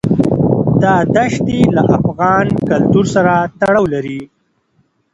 دا دښتې له افغان کلتور سره تړاو لري.